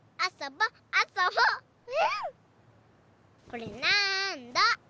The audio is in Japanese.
これなんだ？